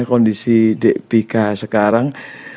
kondisi pika sekarang